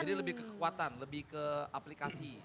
jadi lebih ke kekuatan lebih ke aplikasi